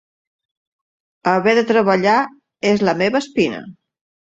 Haver de treballar és la meva espina.